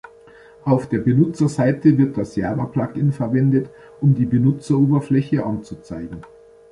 Auf der Benutzer-Seite wird das Java-Plugin verwendet, um die Benutzeroberfläche anzuzeigen.